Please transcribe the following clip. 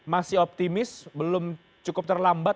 masih optimis belum cukup terlambat